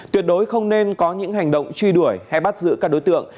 tuyệt đối không nên có những hành động truy đuổi hay bắt giữ các đối tượng